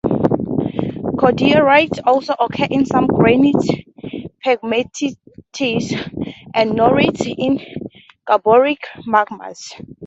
Cordierite also occurs in some granites, pegmatites, and norites in gabbroic magmas.